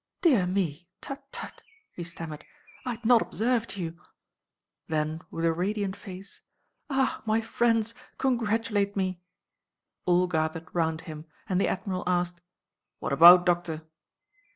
"Dear me! Tut, tut!" he stammered. "I had not observed you!" Then, with a radiant face, "Ah, my friends, congratulate me!" All gathered round him, and the Admiral asked, "What about, Doctor?"